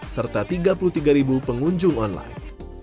serta tiga puluh tiga pengunjung online